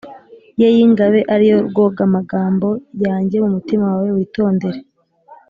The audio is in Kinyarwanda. Ye y ingabe ari yo rwoga amagambo yanjye mu mutima wawe witondere